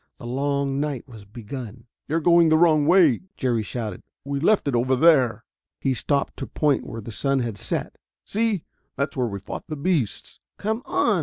The long night was begun. "You're going the wrong way," Jerry shouted. "We left it over there." He stopped to point where the sun had set. "See, that's where we fought the beasts " "Come on!"